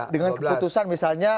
dengan keputusan misalnya